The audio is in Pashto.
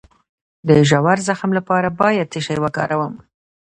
د ژور زخم لپاره باید څه شی وکاروم؟